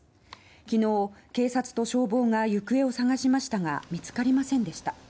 昨日警察と消防が行方を探しましたが見つかりませんでした。